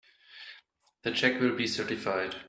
The check will be certified.